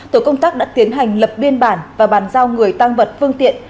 tổ công tác đã tiến hành lập biên bản và bàn giao người tăng vật phương tiện